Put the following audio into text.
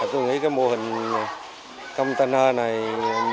các mô hình container này